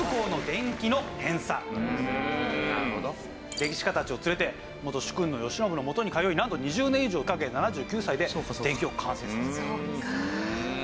歴史家たちを連れて元主君の慶喜のもとに通いなんと２０年以上かけ７９歳で伝記を完成させた。